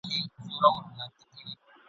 چی دا نن دي یم ژغورلی له انسانه !.